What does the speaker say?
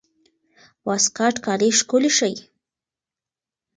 واسکټ کالي ښکلي ښيي.